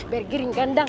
biar kering kandang